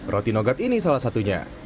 roti nogat ini salah satunya